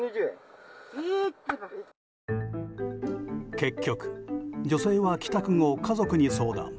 結局、女性は帰宅後家族に相談。